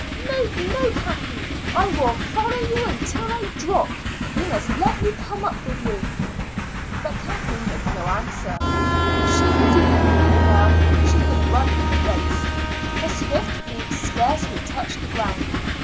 "No, no, Kathleen; I will follow you until I drop. You must let me come up with you." But Kathleen made no answer. If she could do anything well, she could run in a race. Her swift feet scarcely touched the ground.